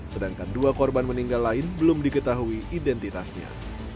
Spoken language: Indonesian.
sedangkan dua korban meninggal lain belum diketahui identitasnya